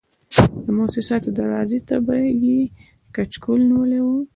د موسساتو دروازې ته به یې کچکول نیولی و.